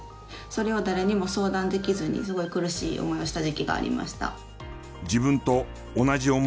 それを誰にも相談できずにすごい苦しい思いをした時期がありました。